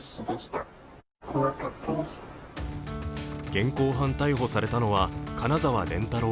現行犯逮捕されたのは金澤蓮太郎